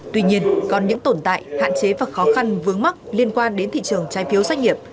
tuy nhiên còn những tồn tại hạn chế và khó khăn vướng mắc liên quan đến thị trường trái phiếu doanh nghiệp